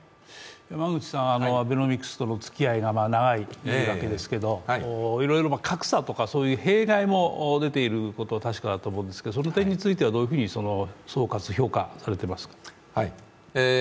山口さん、アベノミクスとの付き合いが長いというわけですけどいろいろ格差とか弊害も出ていることは確かだと思うんですけれどもその点については、どういうふうに総括・評価されていますか？